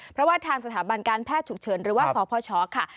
เพราะว่าทางสถาบันการแพทย์ฉุกเฉินหรือว่าสพชค่ะ